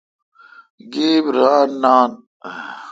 گیب ران نان۔